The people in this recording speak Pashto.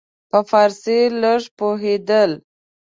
په فارسي لږ پوهېدل.